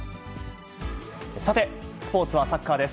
さて、スポーツはサッカーです。